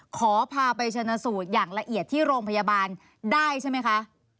ขอพาไปชนะสูตรอย่างละเอียดที่โรงพยาบาลได้ใช่ไหมคะ